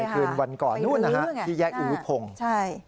คืนวันก่อนที่แยกอุพงศ์